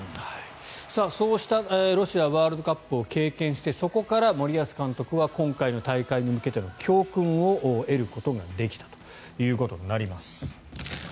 そうしたロシアワールドカップを経験してそこから森保監督は今回の大会に向けての教訓を得ることができたということになります。